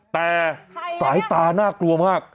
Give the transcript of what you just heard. แต่สายตาน่ากลัวมาก